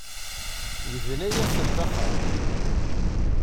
Yebna-asent axxam.